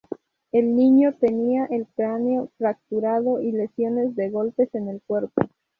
El niño tenía el cráneo fracturado y lesiones de golpes en el cuerpo.